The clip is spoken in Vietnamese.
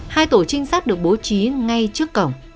hai tổ trinh sát được bố trí ngay trước cổng